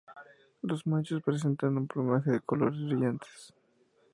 Los machos presentan un plumaje con colores brillantes.